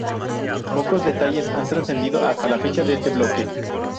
Pocos detalles han trascendido hasta la fecha de este bloque.